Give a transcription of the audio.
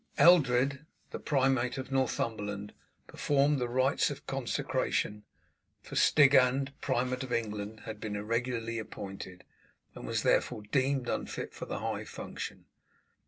Eldred the primate of Northumberland performed the rites of consecration for Stigand, primate of England, had been irregularly appointed, and was therefore deemed unfit for the high function.